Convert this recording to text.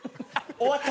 終わった？